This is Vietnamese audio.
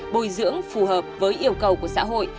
bồi dưỡng phù hợp với yêu cầu của xã hội